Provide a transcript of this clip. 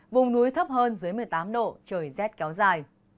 vùng núi thấp hơn dưới một mươi tám độ trời rét kéo dài